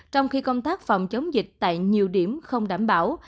trong khi công tác phòng chống dịch tại nhiều điểm không đảm bảo